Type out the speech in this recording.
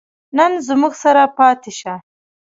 نن زموږ سره پاتې شه